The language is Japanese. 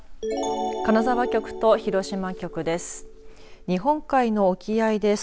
金沢局と広島局です。